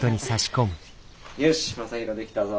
よし将大できたぞ。